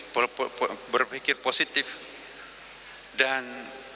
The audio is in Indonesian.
dan dengan penuh ketenangan